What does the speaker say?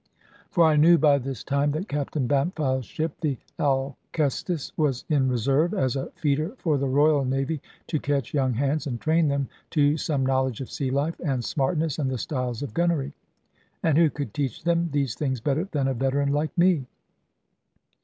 For I knew by this time that Captain Bampfylde's ship, the Alcestis, was in reserve, as a feeder for the Royal Navy, to catch young hands and train them to some knowledge of sealife, and smartness, and the styles of gunnery. And who could teach them these things better than a veteran like me?